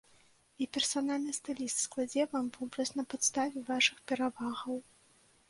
І персанальны стыліст складзе вам вобраз на падставе вашых перавагаў.